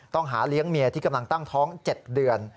หาเลี้ยงเมียที่กำลังตั้งท้อง๗เดือน